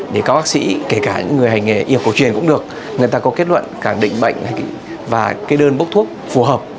các bác sĩ kể cả người hành nghề yêu cổ truyền cũng được người ta có kết luận khẳng định bệnh và đơn bốc thuốc phù hợp